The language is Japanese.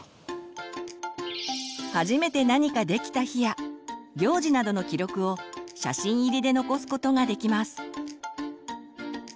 初めて何かできた日や行事などの記録を写真入りで残すことができます。